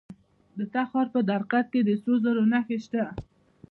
د تخار په درقد کې د سرو زرو نښې شته.